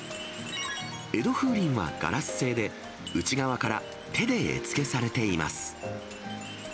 江戸風鈴はガラス製で、内側から手で絵付けされています。